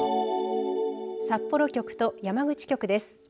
札幌局と山口局です。